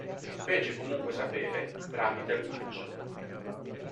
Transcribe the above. Fece comunque sapere, tramite il Magg.